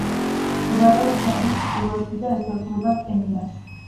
მდებარეობს ქვეყნის ჩრდილოეთში და ესაზღვრება კენიას.